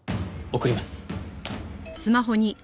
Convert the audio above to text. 送ります。